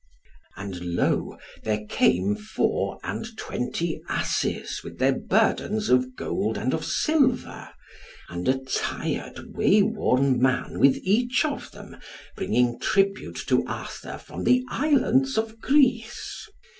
And, lo, there came four and twenty asses with their burdens of gold and of silver, and a tired wayworn man with each of them, bringing tribute to Arthur from the Islands of Greece.